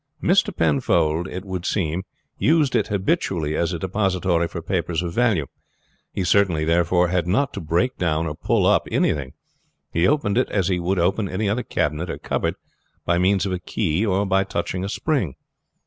Mr. Penfold, it would seem, used it habitually as a depository for papers of value. He certainly, therefore, had not to break down or to pull up anything. He opened it as he would open any other cabinet or cupboard, by means of a key or by touching a spring.